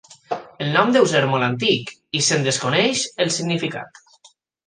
El nom deu ser molt antic i se'n desconeix el significat.